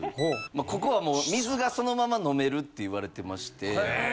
ここはもう水がそのまま飲めるって言われてまして。